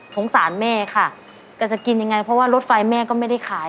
สารแม่ค่ะแต่จะกินยังไงเพราะว่ารถไฟแม่ก็ไม่ได้ขาย